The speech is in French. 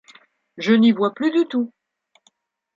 Je n’y vois plus du tout.